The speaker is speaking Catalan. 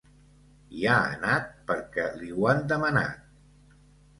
Hi ha anat perquè li ho han demanat.